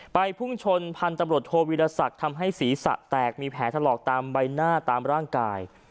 พุ่งชนพันธุ์ตำรวจโทวิรสักทำให้ศีรษะแตกมีแผลถลอกตามใบหน้าตามร่างกาย